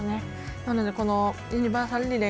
なので、ユニバーサルリレー